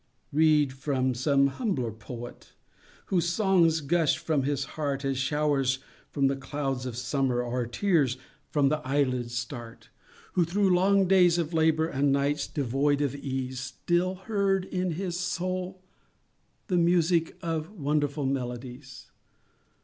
Read from some humbler poet, Whose songs gushed from his heart, As showers from the clouds of summer, Or tears from the eyelids start; Who through long days of labor, And nights devoid of ease, Still heard in his soul the music Of wonderful melodies.